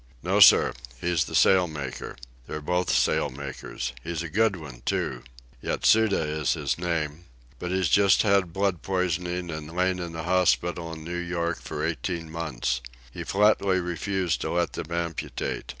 "No, sir. He's the sail maker. They're both sail makers. He's a good one, too. Yatsuda is his name. But he's just had blood poisoning and lain in hospital in New York for eighteen months. He flatly refused to let them amputate.